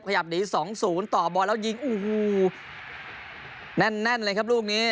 ขยับหนีสองศูนย์ต่อบ่อยแล้วยิงอูหูแน่นแน่นเลยครับลูกนี้